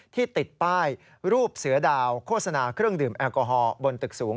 ติดป้ายรูปเสือดาวโฆษณาเครื่องดื่มแอลกอฮอล์บนตึกสูง